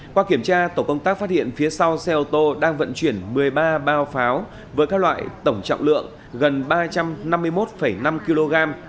qua kiểm tra tổ công tác phát hiện phía sau xe ô tô đang vận chuyển một mươi ba bao pháo với các loại tổng trọng lượng gần ba trăm năm mươi một năm kg